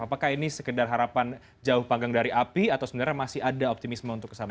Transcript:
apakah ini sekedar harapan jauh panggang dari api atau sebenarnya masih ada optimisme untuk kesana